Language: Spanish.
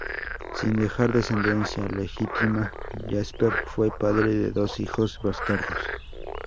Sin dejar descendencia legítima, Jasper fue padre de dos hijos bastardos.